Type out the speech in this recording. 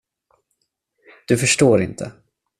Du förstår inte.